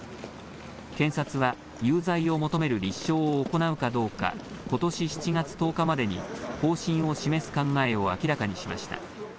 検察は、有罪を求める立証を行うかどうか、ことし７月１０日までに方針を示す考えを明らかにしました。